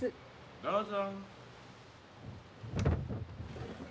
・どうぞ。